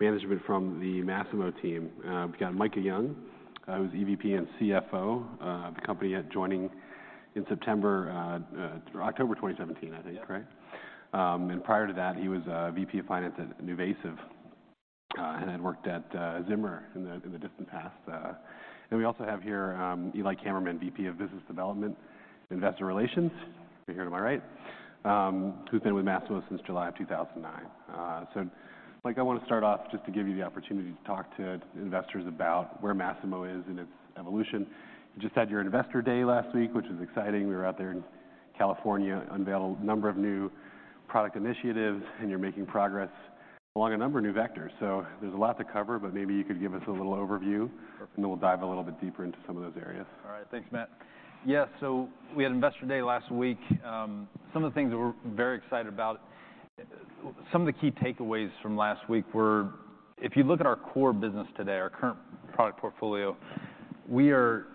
Management from the Masimo team. We've got Micah Young, who's EVP and CFO of the company joining in September, October 2017, I think, right? And prior to that, he was a VP of Finance at NuVasive, and had worked at Zimmer in the distant past. And we also have here Eli Kammerman, VP of Business Development and Investor Relations, right here to my right, who's been with Masimo since July of 2009. Mike, I wanna start off just to give you the opportunity to talk to investors about where Masimo is and its evolution. You just had your investor day last week, which was exciting. We were out there in California unveiling a number of new product initiatives, and you're making progress along a number of new vectors. So there's a lot to cover, but maybe you could give us a little overview, and then we'll dive a little bit deeper into some of those areas. All right. Thanks, Matt. Yeah, so we had investor day last week. Some of the things that we're very excited about, some of the key takeaways from last week were, if you look at our core business today, our current product portfolio, we are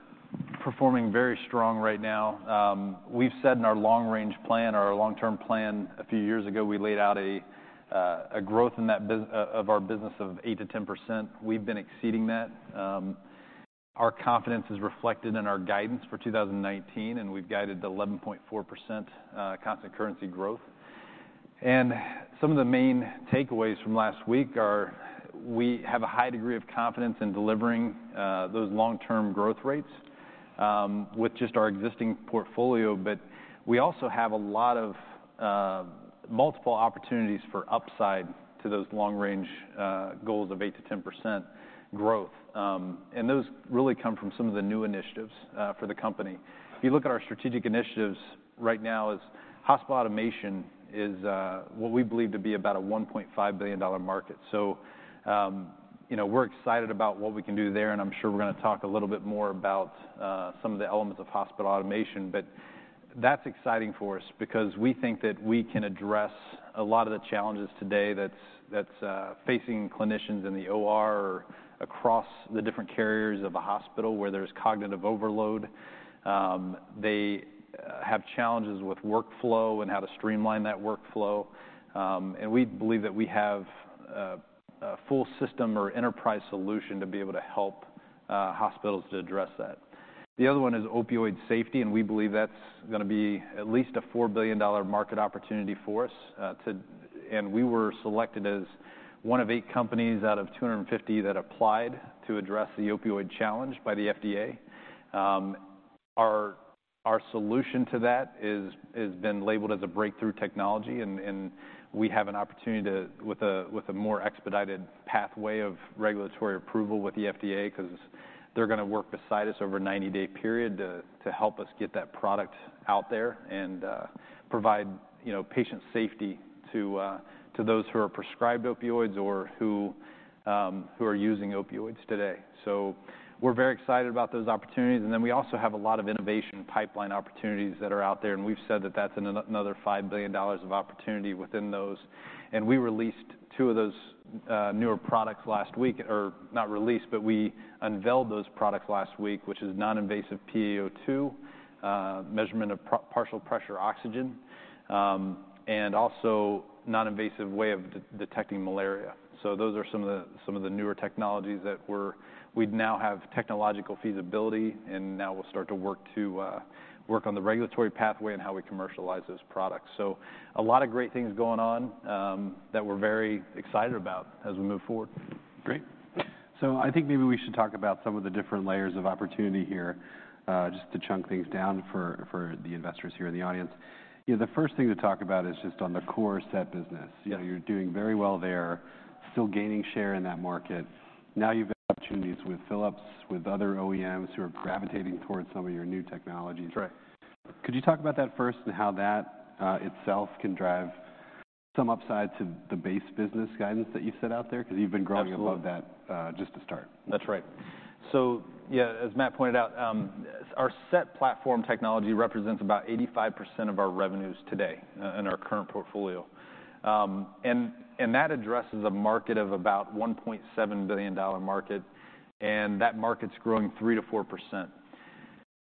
performing very strong right now. We've said in our long-range plan, our long-term plan, a few years ago, we laid out a growth in that pie of our business of 8%-10%. We've been exceeding that. Our confidence is reflected in our guidance for 2019, and we've guided to 11.4% constant currency growth, and some of the main takeaways from last week are we have a high degree of confidence in delivering those long-term growth rates with just our existing portfolio, but we also have a lot of multiple opportunities for upside to those long-range goals of 8%-10% growth. Those really come from some of the new initiatives for the company. If you look at our strategic initiatives right now, hospital automation is what we believe to be about a $1.5 billion market. So, you know, we're excited about what we can do there, and I'm sure we're gonna talk a little bit more about some of the elements of hospital automation, but that's exciting for us because we think that we can address a lot of the challenges today that's facing clinicians in the OR or across the different care areas of a hospital where there's cognitive overload. They have challenges with workflow and how to streamline that workflow. We believe that we have a full system or enterprise solution to be able to help hospitals address that. The other one is opioid safety, and we believe that's gonna be at least a $4 billion market opportunity for us, and we were selected as one of eight companies out of 250 that applied to address the opioid challenge by the FDA. Our solution to that is been labeled as a breakthrough technology, and we have an opportunity to, with a more expedited pathway of regulatory approval with the FDA 'cause they're gonna work beside us over a 90-day period to help us get that product out there and provide, you know, patient safety to those who are prescribed opioids or who are using opioids today. So we're very excited about those opportunities. And then we also have a lot of innovation pipeline opportunities that are out there, and we've said that that's another $5 billion of opportunity within those. And we released two of those newer products last week, or not released, but we unveiled those products last week, which is non-invasive PaO2, measurement of partial pressure oxygen, and also a non-invasive way of detecting malaria. So those are some of the newer technologies that we now have technological feasibility, and now we'll start to work on the regulatory pathway and how we commercialize those products. So a lot of great things going on, that we're very excited about as we move forward. Great. So I think maybe we should talk about some of the different layers of opportunity here, just to chunk things down for the investors here in the audience. You know, the first thing to talk about is just on the core SET business. Yeah. You know, you're doing very well there, still gaining share in that market. Now you've had opportunities with Philips, with other OEMs who are gravitating towards some of your new technologies. That's right. Could you talk about that first and how that, itself can drive some upside to the base business guidance that you set out there? Cause you've been growing above that, just to start. That's right. So yeah, as Matt pointed out, our SET platform technology represents about 85% of our revenues today, in our current portfolio. And that addresses a market of about $1.7 billion market, and that market's growing 3%-4%.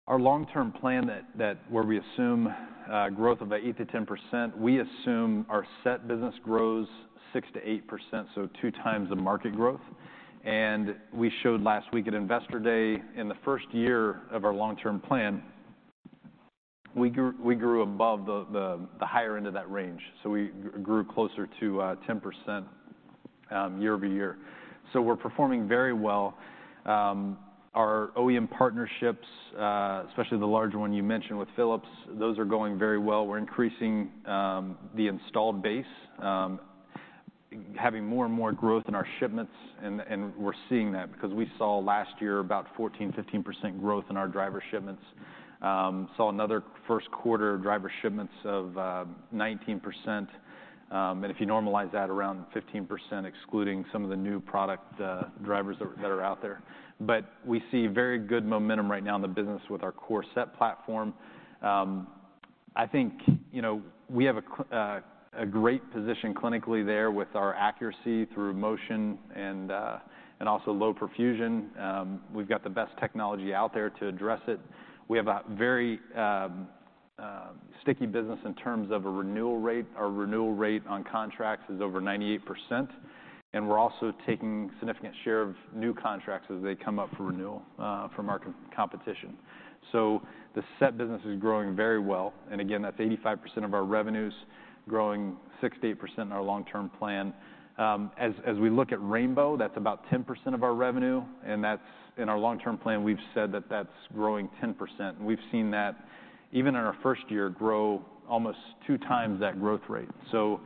Our long-term plan that where we assume growth of 8%-10%, we assume our SET business grows 6%-8%, so two times the market growth. And we showed last week at investor day, in the first year of our long-term plan, we grew above the higher end of that range. So we grew closer to 10%, year-over-year. So we're performing very well. Our OEM partnerships, especially the large one you mentioned with Philips, those are going very well. We're increasing the installed base, having more and more growth in our shipments, and we're seeing that because we saw last year about 14-15% growth in our driver shipments. We saw another first quarter driver shipments of 19%. And if you normalize that around 15%, excluding some of the new product drivers that are out there. But we see very good momentum right now in the business with our core SET platform. I think, you know, we have a great position clinically there with our accuracy through motion and also low perfusion. We've got the best technology out there to address it. We have a very sticky business in terms of a renewal rate. Our renewal rate on contracts is over 98%, and we're also taking a significant share of new contracts as they come up for renewal, from our competition. The SET business is growing very well. And again, that's 85% of our revenues, growing 6%-8% in our long-term plan. As we look at Rainbow, that's about 10% of our revenue, and that's in our long-term plan. We've said that that's growing 10%. And we've seen that even in our first year grow almost two times that growth rate. So,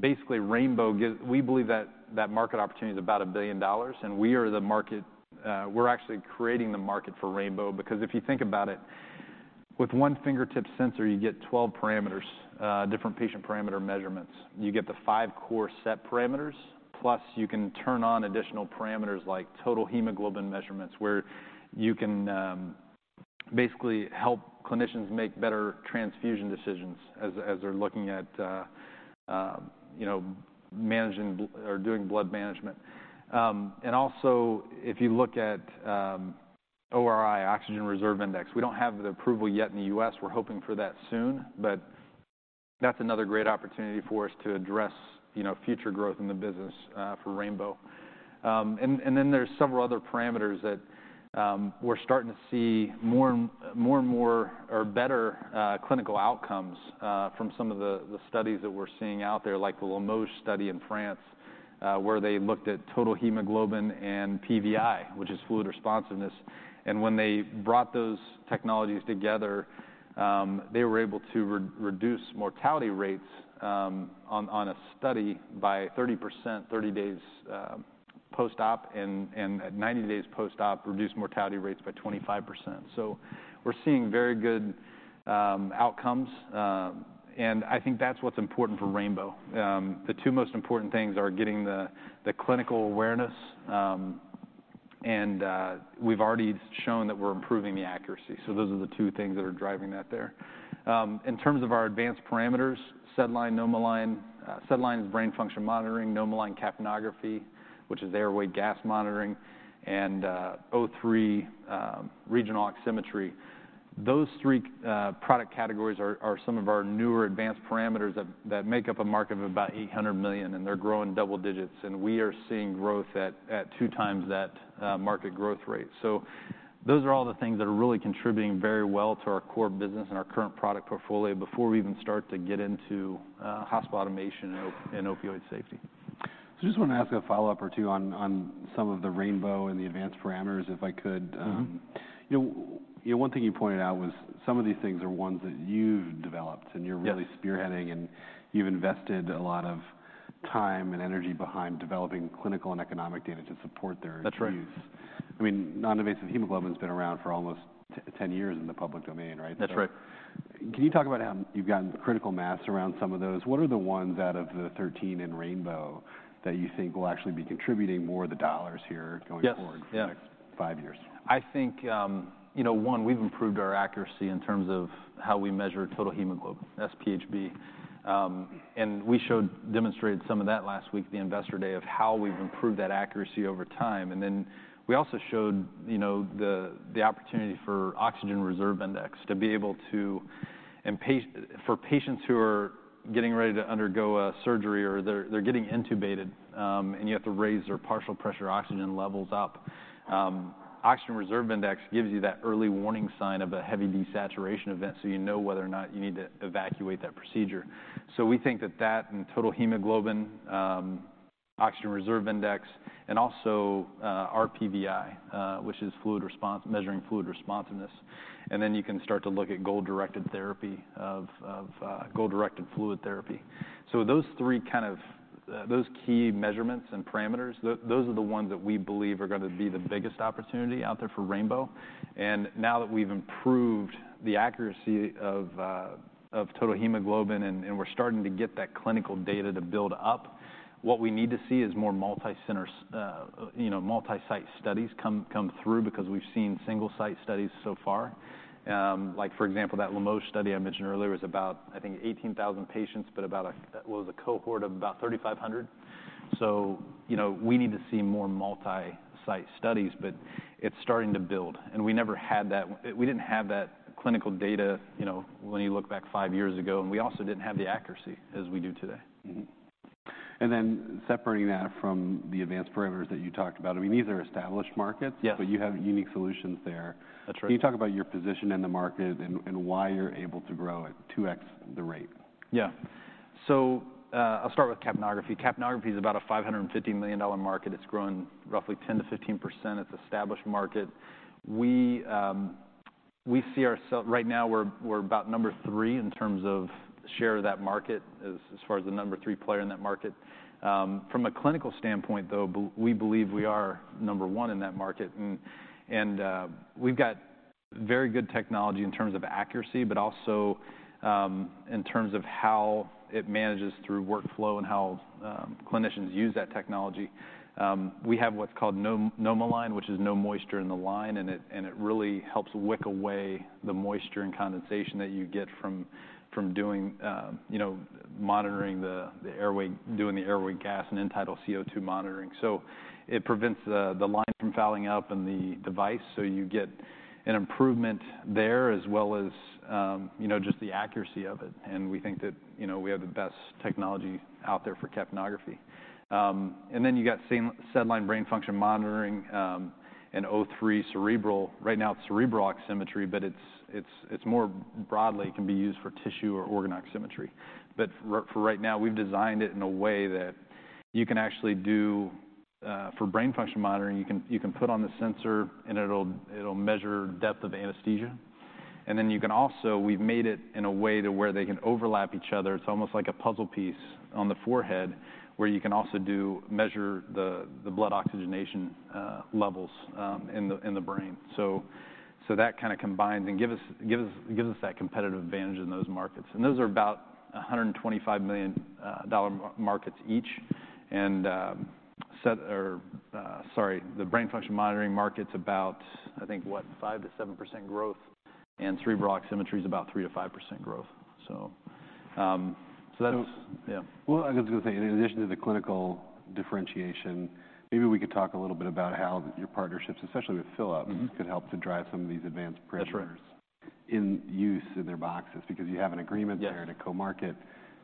basically, Rainbow, we believe that that market opportunity is about $1 billion, and we are the market. We're actually creating the market for Rainbow because if you think about it, with one fingertip sensor, you get 12 parameters, different patient parameter measurements. You get the five core SET parameters, plus you can turn on additional parameters like total hemoglobin measurements, where you can basically help clinicians make better transfusion decisions as they're looking at, you know, managing blood or doing blood management. And also, if you look at ORi, oxygen reserve index, we don't have the approval yet in the US. We're hoping for that soon, but that's another great opportunity for us to address, you know, future growth in the business, for Rainbow. And then there's several other parameters that we're starting to see more and more, or better, clinical outcomes, from some of the studies that we're seeing out there, like the Limoges study in France, where they looked at total hemoglobin and PVi, which is fluid responsiveness. And when they brought those technologies together, they were able to reduce mortality rates, on a study by 30%, 30 days post-op, and at 90 days post-op, reduce mortality rates by 25%. So we're seeing very good outcomes, and I think that's what's important for Rainbow. The two most important things are getting the clinical awareness, and we've already shown that we're improving the accuracy. So those are the two things that are driving that there. In terms of our advanced parameters, SedLine, NomoLine, SedLine is brain function monitoring, NomoLine capnography, which is airway gas monitoring, and O3, regional oximetry. Those three product categories are some of our newer advanced parameters that make up a market of about $800 million, and they're growing double digits. And we are seeing growth at two times that market growth rate. So those are all the things that are really contributing very well to our core business and our current product portfolio before we even start to get into hospital automation and opioid safety. So, I just wanna ask a follow-up or two on some of the Rainbow and the advanced parameters, if I could. Mm-hmm. You know, one thing you pointed out was some of these things are ones that you've developed, and you're really spearheading, and you've invested a lot of time and energy behind developing clinical and economic data to support their use. That's right. I mean, non-invasive hemoglobin's been around for almost 10 years in the public domain, right? That's right. Can you talk about how you've gotten critical mass around some of those? What are the ones out of the 13 in Rainbow that you think will actually be contributing more of the dollars here going forward for the next five years? Yeah. I think, you know, one, we've improved our accuracy in terms of how we measure total hemoglobin, SpHb. And we showed, demonstrated some of that last week at the investor day of how we've improved that accuracy over time. And then we also showed, you know, the opportunity for Oxygen Reserve Index to be able to, and particularly for patients who are getting ready to undergo a surgery or they're getting intubated, and you have to raise their partial pressure oxygen levels up. Oxygen Reserve Index gives you that early warning sign of a heavy desaturation event, so you know whether or not you need to abort that procedure. So we think that that and total hemoglobin, Oxygen Reserve Index, and also, our PVi, which is fluid response, measuring fluid responsiveness. And then you can start to look at goal-directed therapy of goal-directed fluid therapy. So those three kind of, those key measurements and parameters, those are the ones that we believe are gonna be the biggest opportunity out there for Rainbow. And now that we've improved the accuracy of total hemoglobin and we're starting to get that clinical data to build up, what we need to see is more multi-center, you know, multi-site studies come through because we've seen single-site studies so far. Like, for example, that Limoges study I mentioned earlier was about, I think, 18,000 patients, but a cohort of about 3,500. So, you know, we need to see more multi-site studies, but it's starting to build. And we never had that, we didn't have that clinical data, you know, when you look back five years ago, and we also didn't have the accuracy as we do today. Mm-hmm. And then separating that from the advanced parameters that you talked about, I mean, these are established markets. Yes. But you have unique solutions there. That's right. Can you talk about your position in the market and why you're able to grow at 2X the rate? Yeah. So, I'll start with capnography. Capnography's about a $550 million market. It's growing roughly 10%-15%. It's an established market. We see ourselves right now. We're about number three in terms of share of that market as far as the number three player in that market. From a clinical standpoint, though, we believe we are number one in that market. And we've got very good technology in terms of accuracy, but also, in terms of how it manages through workflow and how clinicians use that technology. We have what's called NomoLine, which is no moisture in the line, and it really helps wick away the moisture and condensation that you get from doing, you know, monitoring the airway, doing the airway gas and end-tidal CO2 monitoring. So it prevents the line from fouling up in the device, so you get an improvement there as well as, you know, just the accuracy of it. And we think that, you know, we have the best technology out there for capnography. And then you got SedLine brain function monitoring, and O3 cerebral. Right now, it's cerebral oximetry, but it's more broadly can be used for tissue or organ oximetry. But for right now, we've designed it in a way that you can actually do for brain function monitoring, you can put on the sensor, and it'll measure depth of anesthesia. And then you can also, we've made it in a way to where they can overlap each other. It's almost like a puzzle piece on the forehead where you can also do measure the blood oxygenation levels in the brain. That kinda combines and gives us that competitive advantage in those markets. Those are about $125 million markets each. The brain function monitoring market's about, I think, 5%-7% growth, and cerebral oximetry's about 3%-5% growth. That's, yeah. I was gonna say, in addition to the clinical differentiation, maybe we could talk a little bit about how your partnerships, especially with Philips. Mm-hmm. Could help to drive some of these advanced parameters. That's right. In use in their boxes because you have an agreement there to co-market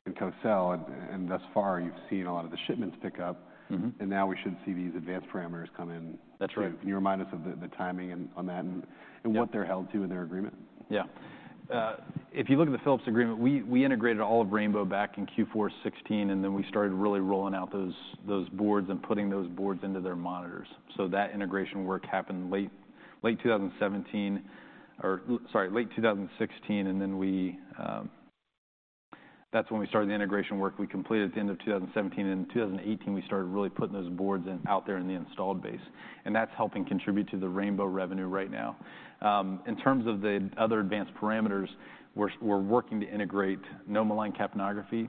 and co-sell, and thus far, you've seen a lot of the shipments pick up. Mm-hmm. Now we should see these advanced parameters come in. That's right. Can you remind us of the timing and on that and what they're held to in their agreement? Yeah. If you look at the Philips agreement, we integrated all of Rainbow back in Q4 2016, and then we started really rolling out those boards and putting those boards into their monitors. So that integration work happened late 2017 or, sorry, late 2016, and then we, that's when we started the integration work. We completed at the end of 2017, and in 2018, we started really putting those boards in out there in the installed base. And that's helping contribute to the Rainbow revenue right now. In terms of the other advanced parameters, we're working to integrate NomoLine capnography,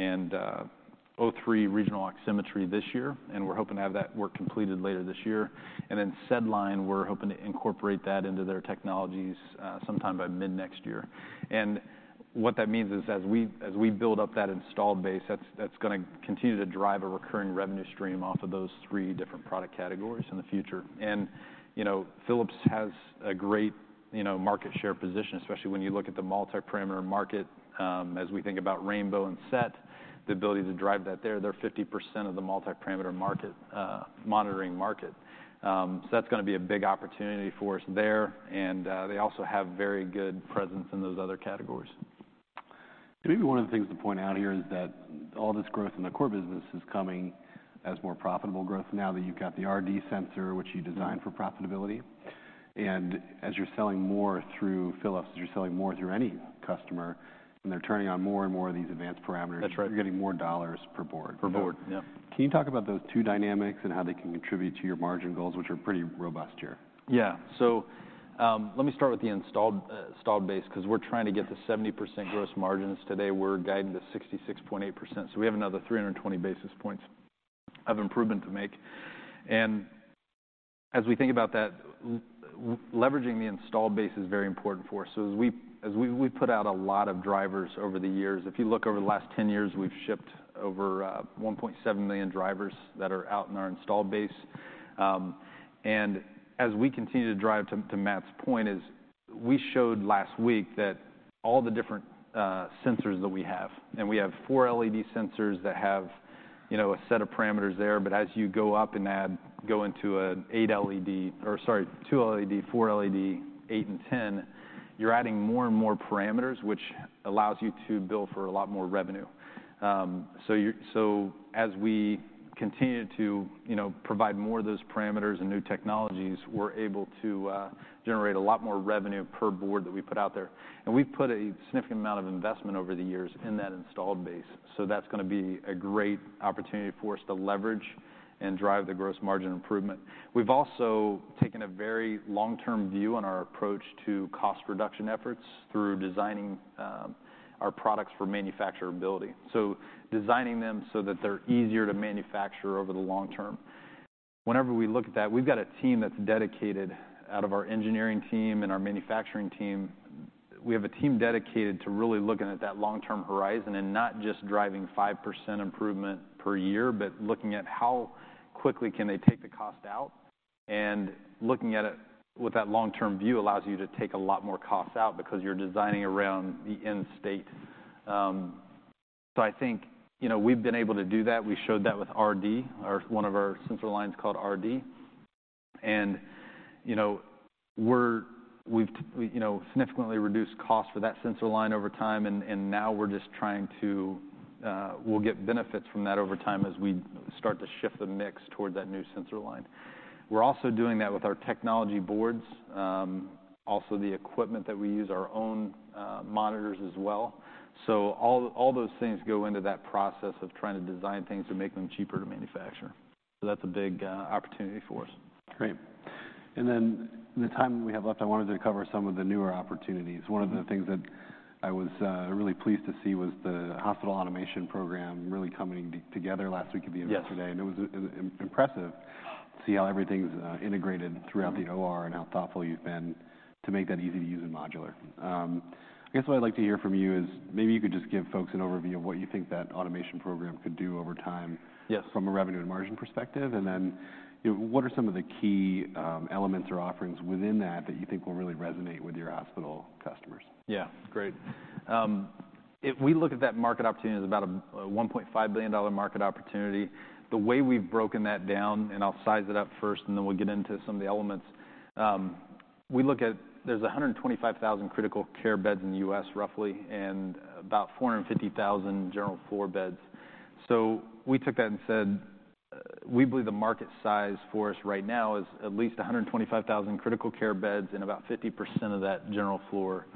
and O3 regional oximetry this year, and we're hoping to have that work completed later this year. And then SedLine, we're hoping to incorporate that into their technologies, sometime by mid next year. And what that means is, as we build up that installed base, that's gonna continue to drive a recurring revenue stream off of those three different product categories in the future. You know, Philips has a great, you know, market share position, especially when you look at the multi-parameter market. As we think about Rainbow and SET, the ability to drive that there, they're 50% of the multi-parameter market, monitoring market. So that's gonna be a big opportunity for us there, and they also have very good presence in those other categories. And maybe one of the things to point out here is that all this growth in the core business is coming as more profitable growth now that you've got the RD sensor, which you designed for profitability. And as you're selling more through Philips, as you're selling more through any customer, and they're turning on more and more of these advanced parameters. That's right. You're getting more dollars per board. Per board. Yeah. Can you talk about those two dynamics and how they can contribute to your margin goals, which are pretty robust here? Yeah. So, let me start with the installed base 'cause we're trying to get to 70% gross margins today. We're guiding to 66.8%, so we have another 320 basis points of improvement to make. And as we think about that, leveraging the installed base is very important for us. So as we, we've put out a lot of drivers over the years. If you look over the last 10 years, we've shipped over 1.7 million drivers that are out in our installed base. And as we continue to drive to Matt's point, we showed last week that all the different sensors that we have, and we have four LED sensors that have, you know, a set of parameters there, but as you go up and add, go into an eight LED or, sorry, two LED, four LED, eight and 10, you're adding more and more parameters, which allows you to bill for a lot more revenue. So as we continue to, you know, provide more of those parameters and new technologies, we're able to generate a lot more revenue per board that we put out there. And we've put a significant amount of investment over the years in that installed base, so that's gonna be a great opportunity for us to leverage and drive the gross margin improvement. We've also taken a very long-term view on our approach to cost reduction efforts through designing our products for manufacturability. So designing them so that they're easier to manufacture over the long term. Whenever we look at that, we've got a team that's dedicated out of our engineering team and our manufacturing team. We have a team dedicated to really looking at that long-term horizon and not just driving 5% improvement per year, but looking at how quickly can they take the cost out. And looking at it with that long-term view allows you to take a lot more costs out because you're designing around the end state. So I think, you know, we've been able to do that. We showed that with RD, one of our sensor lines called RD. You know, we've significantly reduced costs for that sensor line over time, and now we're just trying to. We'll get benefits from that over time as we start to shift the mix toward that new sensor line. We're also doing that with our technology boards, also the equipment that we use, our own monitors as well. All those things go into that process of trying to design things to make them cheaper to manufacture. That's a big opportunity for us. Great. And then the time we have left, I wanted to cover some of the newer opportunities. One of the things that I was really pleased to see was the hospital automation program really coming together last week or yesterday. Yes. It was impressive to see how everything's integrated throughout the OR and how thoughtful you've been to make that easy to use and modular. I guess what I'd like to hear from you is maybe you could just give folks an overview of what you think that automation program could do over time. Yes. From a revenue and margin perspective. And then, you know, what are some of the key, elements or offerings within that that you think will really resonate with your hospital customers? Yeah. Great. If we look at that market opportunity as about a $1.5 billion market opportunity, the way we've broken that down, and I'll size it up first, and then we'll get into some of the elements. We look at there's 125,000 critical care beds in the US roughly and about 450,000 general floor beds. So we took that and said, we believe the market size for us right now is at least 125,000 critical care beds and about 50% of that general floor,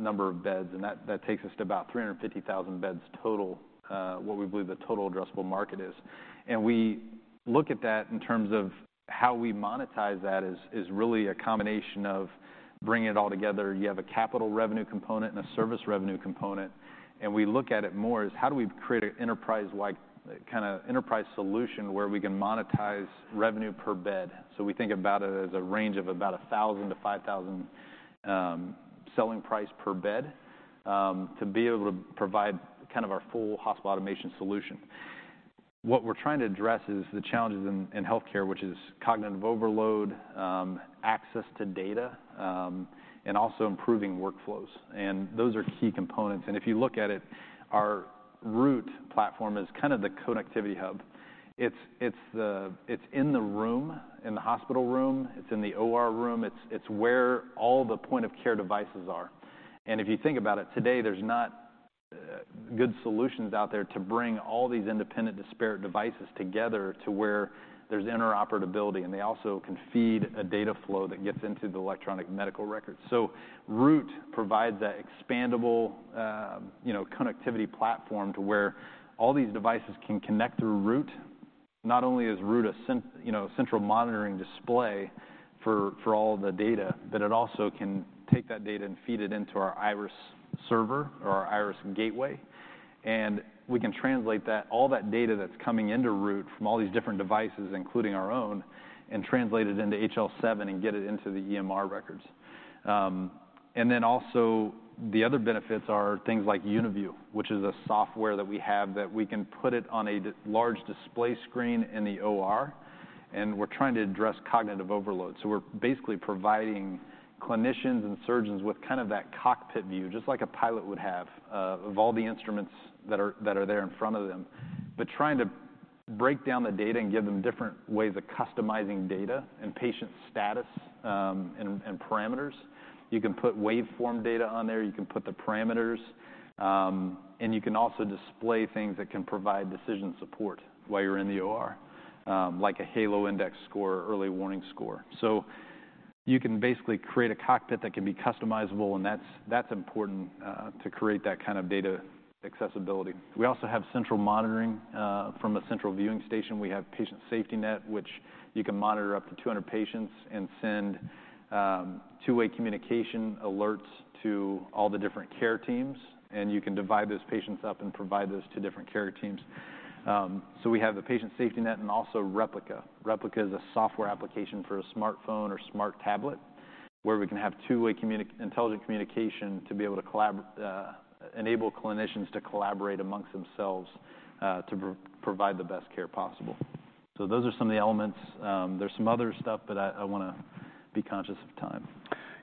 number of beds. And that takes us to about 350,000 beds total, what we believe the total addressable market is. And we look at that in terms of how we monetize that is really a combination of bringing it all together. You have a capital revenue component and a service revenue component. We look at it more as how do we create an enterprise-like, kinda enterprise solution where we can monetize revenue per bed. We think about it as a range of about $1,000-$5,000 selling price per bed, to be able to provide kind of our full hospital automation solution. What we're trying to address is the challenges in healthcare, which is cognitive overload, access to data, and also improving workflows. Those are key components. If you look at it, our Root platform is kinda the connectivity hub. It's the. It's in the room, in the hospital room. It's in the OR room. It's where all the point-of-care devices are. If you think about it today, there's not good solutions out there to bring all these independent disparate devices together to where there's interoperability, and they also can feed a data flow that gets into the electronic medical records. Root provides that expandable, you know, connectivity platform to where all these devices can connect through Root. Not only is Root a, you know, central monitoring display for all the data, but it also can take that data and feed it into our Iris server or our Iris gateway. We can translate that, all that data that's coming into Root from all these different devices, including our own, and translate it into HL7 and get it into the EMR records. And then also the other benefits are things like UniView, which is a software that we have that we can put it on a large display screen in the OR. And we're trying to address cognitive overload. So we're basically providing clinicians and surgeons with kind of that cockpit view, just like a pilot would have, of all the instruments that are there in front of them, but trying to break down the data and give them different ways of customizing data and patient status, and parameters. You can put waveform data on there. You can put the parameters, and you can also display things that can provide decision support while you're in the OR, like a Halo Index score, early warning score. So you can basically create a cockpit that can be customizable, and that's important, to create that kind of data accessibility. We also have central monitoring, from a central viewing station. We have Patient SafetyNet, which you can monitor up to 200 patients and send two-way communication alerts to all the different care teams. And you can divide those patients up and provide those to different care teams, so we have the Patient SafetyNet and also Replica. Replica is a software application for a smartphone or smart tablet where we can have two-way communication, intelligent communication to be able to collaborate, enable clinicians to collaborate amongst themselves, to provide the best care possible, so those are some of the elements. There’s some other stuff, but I, I wanna be conscious of time.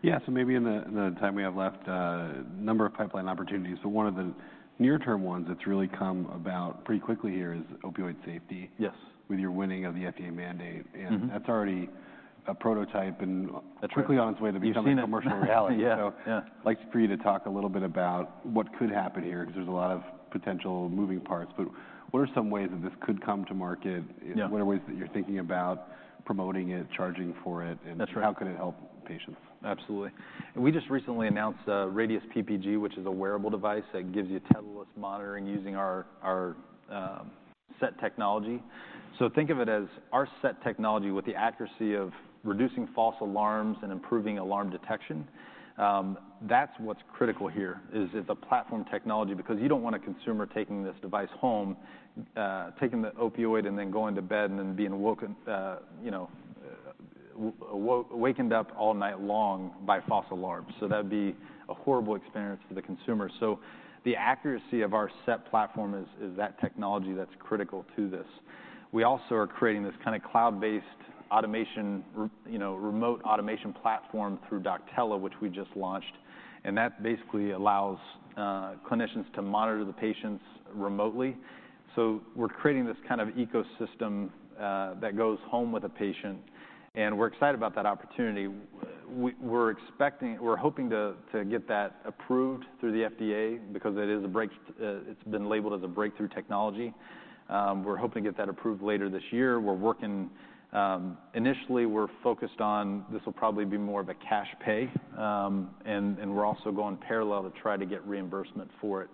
Yeah. So maybe in the time we have left, a number of pipeline opportunities. But one of the near-term ones that's really come about pretty quickly here is opioid safety. Yes. With your winning of the FDA mandate. Mm-hmm. That's already a prototype and. That's right. Quickly on its way to becoming a commercial reality. Yes. Yeah. So I'd like for you to talk a little bit about what could happen here 'cause there's a lot of potential moving parts. But what are some ways that this could come to market? Yeah. What are ways that you're thinking about promoting it, charging for it, and? That's right. How could it help patients? Absolutely. And we just recently announced a Radius PPG, which is a wearable device that gives you tetherless monitoring using our SET technology. So think of it as our SET technology with the accuracy of reducing false alarms and improving alarm detection. That's what's critical here is it's a platform technology because you don't want a consumer taking this device home, taking the opioid and then going to bed and then being woken, you know, wakened up all night long by false alarms. So that'd be a horrible experience for the consumer. So the accuracy of our SET platform is that technology that's critical to this. We also are creating this kinda cloud-based automation, you know, remote automation platform through Doctella, which we just launched. And that basically allows clinicians to monitor the patients remotely. So we're creating this kind of ecosystem that goes home with a patient. And we're excited about that opportunity. We're expecting; we're hoping to get that approved through the FDA because it is a breakthrough; it's been labeled as a breakthrough technology. We're hoping to get that approved later this year. We're working. Initially we're focused on this. This will probably be more of a cash pay. And we're also going parallel to try to get reimbursement for it.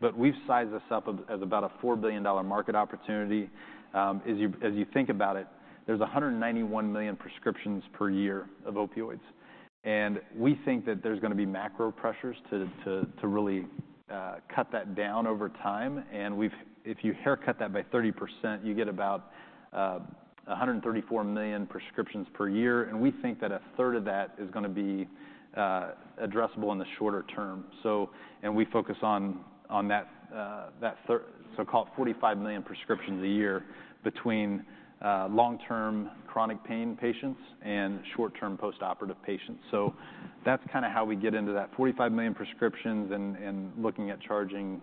But we've sized this up as about a $4 billion market opportunity. As you think about it, there's 191 million prescriptions per year of opioids. And we think that there's gonna be macro pressures to really cut that down over time. And we've, if you haircut that by 30%, you get about 134 million prescriptions per year. And we think that a third of that is gonna be addressable in the shorter term. So, and we focus on that there so-called 45 million prescriptions a year between long-term chronic pain patients and short-term postoperative patients. So that's kinda how we get into that 45 million prescriptions and looking at charging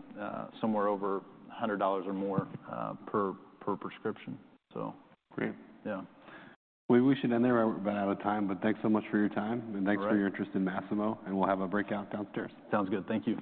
somewhere over $100 or more per prescription, so. Great. Yeah. We should end there. We're about out of time, but thanks so much for your time. Thanks. Thanks for your interest in Masimo. Thanks. We'll have a breakout downstairs. Sounds good. Thank you.